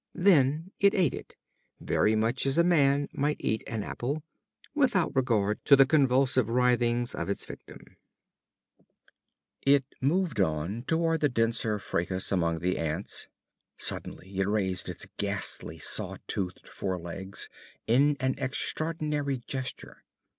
Then it ate it, very much as a man might eat an apple, without regard to the convulsive writhings of its victim. It moved on toward the denser fracas among the ants. Suddenly it raised its ghastly saw toothed forelegs in an extraordinary gesture.